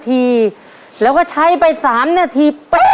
ครอบครัวของแม่ปุ้ยจังหวัดสะแก้วนะครับ